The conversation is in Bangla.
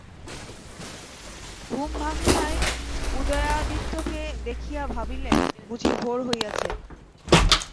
ঘুম ভাঙিয়াই উদয়াদিত্যকে দেখিয়া ভাবিলেন, বুঝি ভাের হইয়াছে।